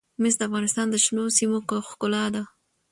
مس د افغانستان د شنو سیمو ښکلا ده.